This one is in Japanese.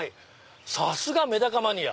さすがメダカマニア。